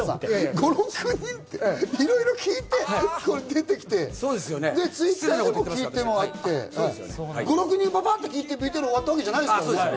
５６人いていろいろ聞いて出てきて、Ｔｗｉｔｔｅｒでも聞いて、５６人パパッと聞いて、ＶＴＲ終わったわけじゃないですからね。